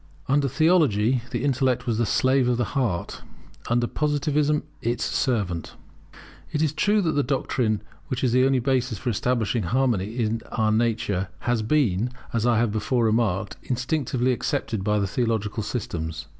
[Under Theology the intellect was the slave of the heart; under Positivism, its servant] It is true that this doctrine, which is the only basis for establishing harmony in our nature, had been, as I before remarked, instinctively accepted by theological systems.